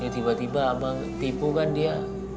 tiba tiba abang tipu kan dia